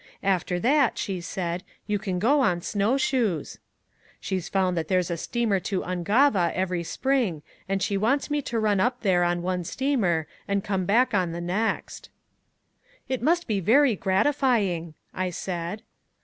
'After that,' she said, 'you can go on snowshoes.' She's found that there's a steamer to Ungava every spring and she wants me to run up there on one steamer and come back on the next." "It must be very gratifying," I said.